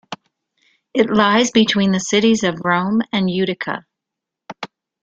It lies between the cites of Rome and Utica.